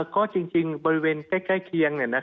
ก็จริงบริเวณใกล้เคียง